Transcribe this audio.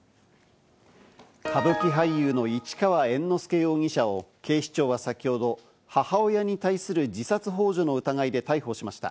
歌舞伎俳優の市川猿之助容疑者を、警視庁は先ほど母親に対する自殺ほう助の疑いで逮捕しました。